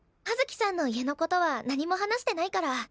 葉月さんの家のことは何も話してないから。